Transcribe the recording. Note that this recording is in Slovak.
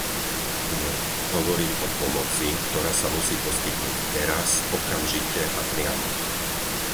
Nie, hovorím o pomoci, ktorá sa musí poskytnúť teraz, okamžite a priamo.